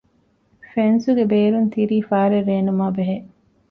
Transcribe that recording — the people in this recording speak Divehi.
ފެންސުގެ ބޭރުން ތިރި ފާރެއް ރޭނުމާބެހޭ